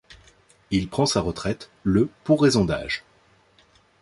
Il prend sa retraite le pour raison d'âge.